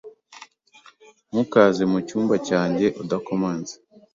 Ntukaze mucyumba cyanjye udakomanze.